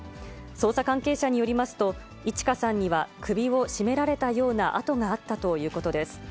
捜査関係者によりますと、いち花さんには、首を絞められたような痕があったということです。